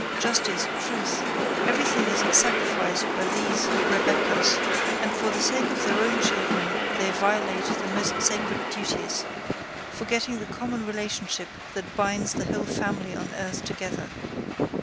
Justice, truth, every thing is sacrificed by these Rebekahs, and for the sake of their own children they violate the most sacred duties, forgetting the common relationship that binds the whole family on earth together.